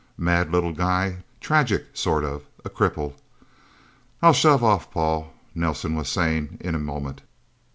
Mad little guy. Tragic, sort of. A cripple... "I'll shove off, Paul," Nelsen was saying in a moment.